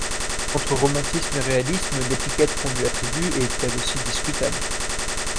Entre romantisme et réalisme, l'étiquette qu'on lui attribue est elle aussi discutable.